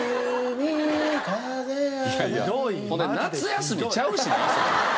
ほんで「なつやすみ」ちゃうしな。